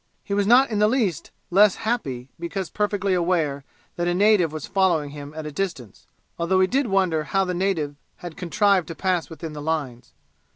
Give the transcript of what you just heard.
He was not in the least less happy because perfectly aware that a native was following him at a distance, although he did wonder how the native had contrived to pass within the lines.